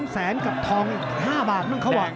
๒แสนกับทองอีก๕บาทมะเขาะ